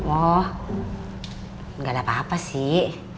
wah gak ada apa apa sih